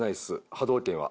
波動拳は。